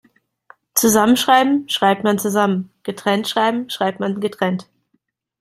Zusammenschreiben schreibt man zusammen, getrennt schreiben schreibt man getrennt.